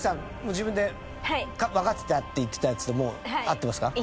自分でわかってたって言ってたやつともう合ってますか？